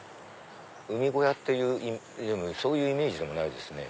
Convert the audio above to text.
海小屋っていうそういうイメージでもないですね。